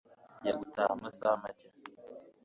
Ngiye gutaha amasaha make.